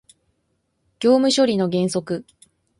業務処理の原則